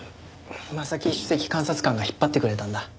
正木首席監察官が引っ張ってくれたんだ。